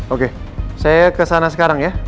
oke saya kesana sekarang ya